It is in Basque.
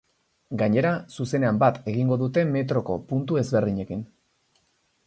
Gainera, zuzenean bat egingo dute metroko puntu ezberdinekin.